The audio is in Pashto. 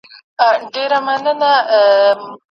شاګرد د موضوع نظریې څنګه پېژني؟